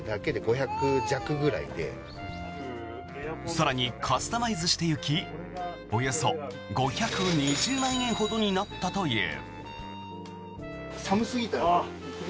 更にカスタマイズしていきおよそ５２０万円ほどになったという。